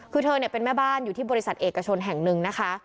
คือเธอเป็นแม่บ้านอยู่ที่บริษัทเอกชนแห่งหนึ่งนะคะ